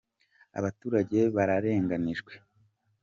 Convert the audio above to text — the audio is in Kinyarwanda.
Abaturage bararenganijwe.